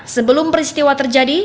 sebelum peristiwa terjadi